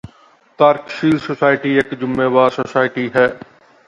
ਤਰਕਸ਼ੀਲ ਸੋਸਾਇਟੀ ਇਕ ਜ਼ਿੰਮੇਵਾਰ ਸੋਸਾਇਟੀ ਹੈ